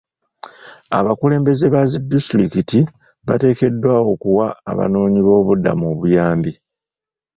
Abakulembeze ba zi disitulikikiti bateekeddwa okuwa abanoonyiboobubuddamu obuyambi .